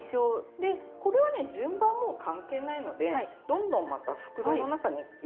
でこれはね順番もう関係ないのでどんどんまた袋の中に入れていっちゃいます。